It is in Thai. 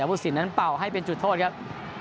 แต่ภูศินทร์นั้นเป่าให้เป็นจุดโทษครับ